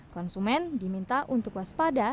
konsumen diminta untuk waspada